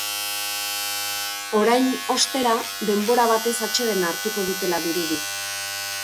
Orain, ostera, denbora batez atsedena hartuko dutela dirudi.